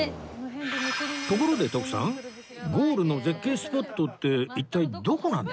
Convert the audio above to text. ところで徳さんゴールの絶景スポットって一体どこなんですか？